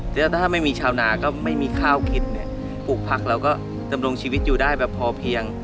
แล้วถ้าไม่มีชาวนาก็ไม่มีข้าวกินเนี่ยปลูกผักเราก็ดำรงชีวิตอยู่ได้แบบพอเพียง